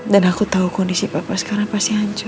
dan aku tau kondisi papa sekarang pasti hancur